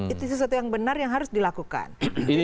itu sesuatu yang benar yang harus dilakukan